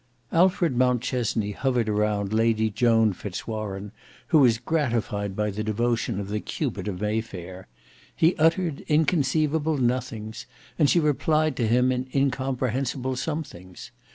Alfred Mountchesney hovered round Lady Joan Fitz Warene, who was gratified by the devotion of the Cupid of May Fair. He uttered inconceivable nothings, and she replied to him in incomprehensible somethings.